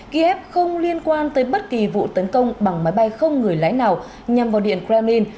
kiev không liên quan tới bất kỳ vụ tấn công bằng máy bay không người lái nào nhằm vào điện kremlin